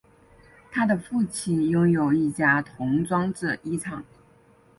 他的父亲拥有一家童装制衣厂。